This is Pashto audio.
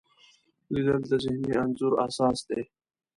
لیدل د ذهني انځورونو اساس دی